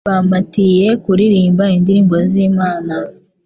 Bampatiye kuririmba indirimbo z’imana